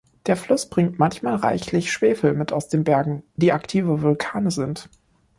Der Fluss bringt manchmal reichlich Schwefel mit aus den Bergen, die aktive Vulkane sind.